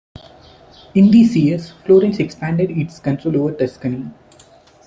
In these years Florence expanded its control over Tuscany.